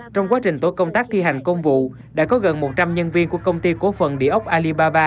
trong quá trình tổ công tác thi hành công vụ đã có gần một trăm linh nhân viên của công ty cố phần địa ốc alibaba